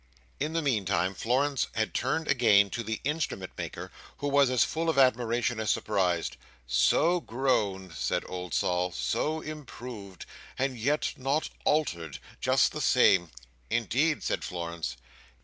In the meantime Florence had turned again to the Instrument maker, who was as full of admiration as surprise. "So grown!" said old Sol. "So improved! And yet not altered! Just the same!" "Indeed!" said Florence.